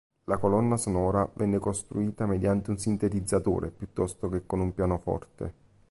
La colonna sonora venne costruita mediante un sintetizzatore piuttosto che con un pianoforte.